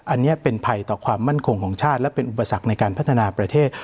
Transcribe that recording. อันนี้เป็นภัยต่อความมั่นคงของชาติและเป็นอุปสรรคในการพัฒนาประเทศ